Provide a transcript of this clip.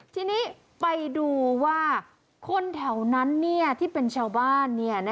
ทีนี้ไปดูว่าคนแถวนั้นที่เป็นชาวบ้าน